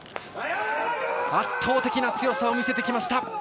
圧倒的な強さを見せてきました。